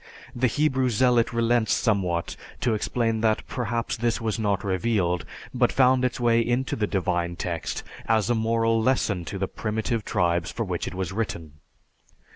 The Hebrew Zealot relents somewhat to explain that perhaps this was not revealed, but found its way into the divine text as a moral lesson to the primitive tribes for which it was written.